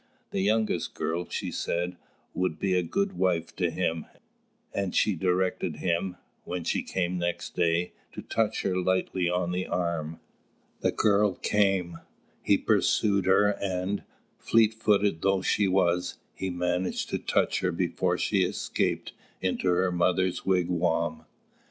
The youngest girl, she said, would be a good wife to him; and she directed him, when she came next day, to touch her lightly on the arm. The girl came; he pursued her and, fleet footed though she was, he managed to touch her before she escaped into her mother's wigwam.